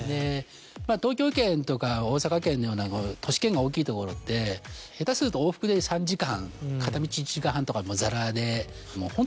東京圏とか大阪圏のような都市圏が大きいところって下手すると往復で３時間片道１時間半とかもザラで。